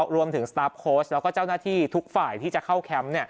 รวมถึงสตาปโค้ชและเจ้านาที่ทุกฝ่ายที่จะเข้าแคมป์